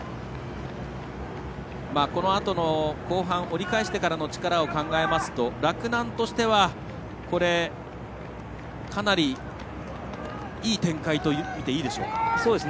このあとの後半折り返してからの力を考えますと、洛南としてはかなりいい展開と見ていいでしょうか。